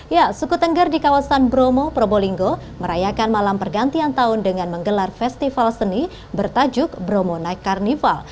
ya suku tengger di kawasan bromo probolinggo merayakan malam pergantian tahun dengan menggelar festival seni bertajuk bromo night carnival